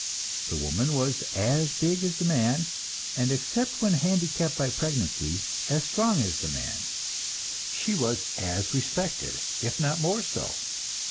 The woman was as big as the man, and except when handicapped by pregnancy, as strong as the man; she was as much respected, if not more so.